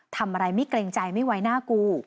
ทำอะไรไม่เกรงใจไม่ไว้หน้ากู